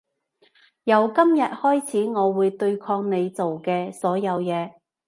由今日開始我會對抗你做嘅所有嘢